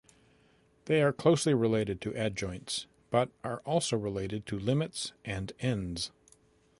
They are closely related to adjoints, but are also related to limits and ends.